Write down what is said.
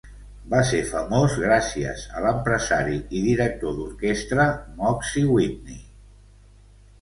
Va fer-se famós gràcies a l'empresari i director d'orquestra Moxie Whitney.